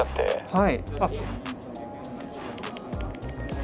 はい。